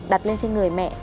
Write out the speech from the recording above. đặt lên trên người mẹ